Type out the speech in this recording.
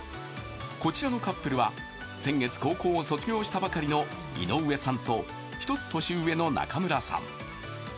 こちらのカップルは先月高校を卒業したばかりの井上さんと１つ年上の中村さん。